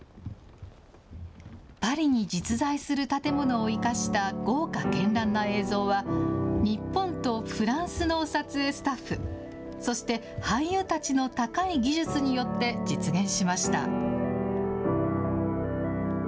パリに実在する建物を生かした、豪華けんらんな映像は、日本とフランスの撮影スタッフ、そして俳優たちの高い技術によって実現しました。